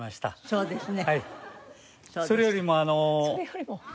そうですか。